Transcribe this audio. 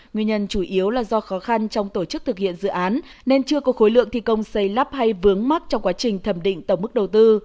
nguyên nhân chủ yếu là do khó khăn trong tổ chức thực hiện dự án nên chưa có khối lượng thi công xây lắp hay vướng mắc trong quá trình thẩm định tổng mức đầu tư